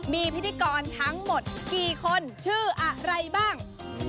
มีพิธีกรทั้งหมดกี่คนชื่ออะไรบ้าง